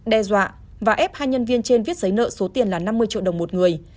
đe dọa và ép hai nhân viên trên viết giấy nợ số tiền là năm mươi triệu đồng một người